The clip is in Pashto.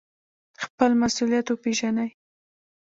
خپل مسوولیت وپیژنئ